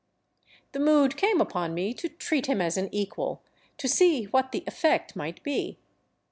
The mood came upon me to treat him as an equal, to see what the effect might be.